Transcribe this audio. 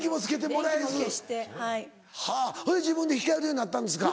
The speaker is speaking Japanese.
ほいで自分で光れるようになったんですか？